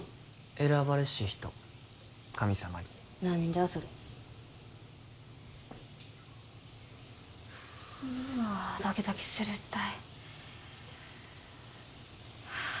選ばれし人神様に何じゃそれうわドキドキするったい